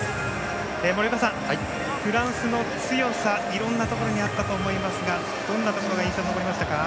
森岡さん、フランスの強さいろんなところにあったと思いますがどんなところが印象に残りましたか？